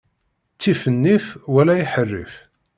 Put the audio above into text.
Ttif nnif wala iḥerrif.